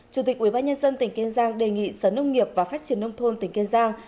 chủ tịch ubnd tỉnh kiên giang đề nghị sở nông nghiệp và phát triển nông thôn tỉnh kiên giang